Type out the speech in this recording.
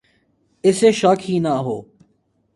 اسے شک ہی نہ ہو